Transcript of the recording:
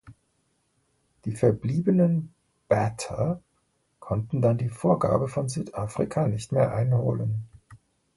Die verbliebenen Batter konnten dann die Vorgabe von Südafrika nicht mehr einholen.